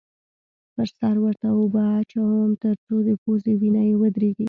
پر سر ورته اوبه اچوم؛ تر څو د پوزې وینه یې ودرېږې.